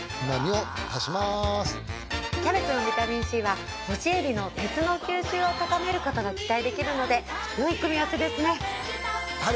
キャベツのビタミンＣは干しエビの鉄の吸収を高めることが期待できるのでよい組み合わせですね。